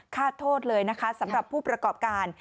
โทษเลยนะคะสำหรับผู้ประกอบการ